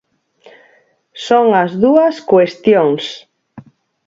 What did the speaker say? Son as dúas cuestións.